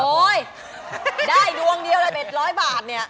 โอ้ยได้ดวงเดียวแบบ๑๐๐บาทเนี่ย